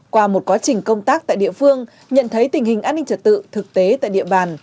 qua một quá trình công tác tại địa phương nhận thấy tình hình an ninh trật tự thực tế tại địa bàn